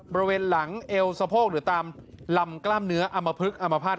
บริเวณหลังเอวสะโพกหรือตามลำกล้ามเนื้ออำมพลึกอมภาษณ